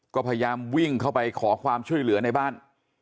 ก็พยายามวิ่งเข้าไปขอความช่วยเหลือในบ้าน